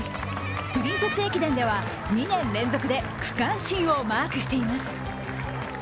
プリンセス駅伝では２年連続で区間新をマークしています。